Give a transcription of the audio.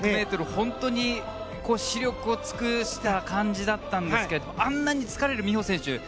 本当に死力を尽くした感じだったんですけどあんなに疲れる美帆選手